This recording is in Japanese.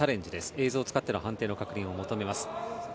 映像を使っての判定の確認を求めます。